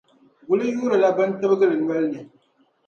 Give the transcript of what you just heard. Guli yuurila bɛn tibigi li noli ni.